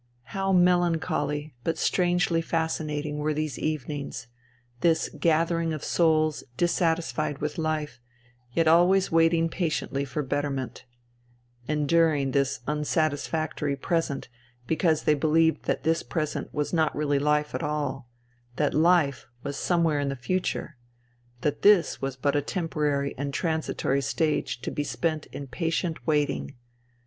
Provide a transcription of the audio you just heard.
How melancholy, but strangely fascinating, were these evenings : this gathering of souls dissatisfied with life, yet always waiting patiently for betterment ; enduring this unsatis factory present because they believed that this present was not really life at all : that lije was somewhere in the future : that this was but a temporary and transitory stage to be spent in patient waiting.